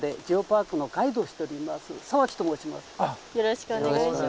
よろしくお願いします。